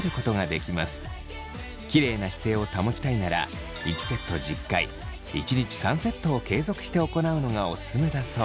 きれいな姿勢を保ちたいなら１セット１０回１日３セットを継続して行うのがオススメだそう。